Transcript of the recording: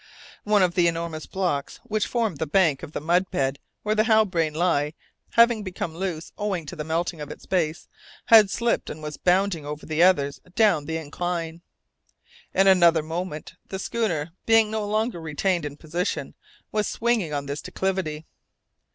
One of the enormous blocks which formed the bank of the mud bed where the Halbrane lay, having become loose owing to the melting of its base, had slipped and was bounding over the others down the incline. In another moment, the schooner, being no longer retained in position, was swinging on this declivity.